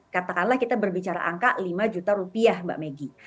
katakanlah kita berbicara angka lima juta rupiah mbak megi